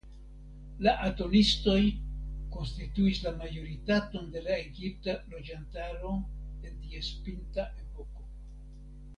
La atonistoj konstituis la majoritaton de la egipta loĝantaro en ties pinta epoko.